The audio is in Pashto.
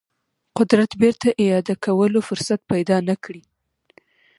قدرت بیرته اعاده کولو فرصت پیدا نه کړي.